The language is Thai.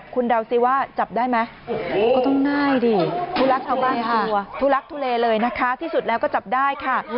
คุณเดาซิว่าจับได้ไหมก็ต้องได้ดิทุลักษณ์ทุเลเลยนะคะที่สุดแล้วก็จับได้ค่ะ